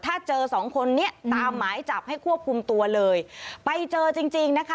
ถ้าเจอสองคนนี้ตามหมายจับให้ควบคุมตัวเลยไปเจอจริงจริงนะคะ